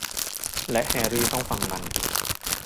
และแฮรี่ต้องฟังมัน